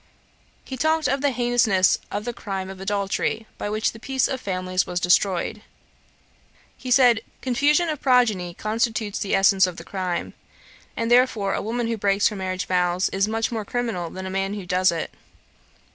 He talked of the heinousness of the crime of adultery, by which the peace of families was destroyed. He said, 'Confusion of progeny constitutes the essence of the crime; and therefore a woman who breaks her marriage vows is much more criminal than a man who does it.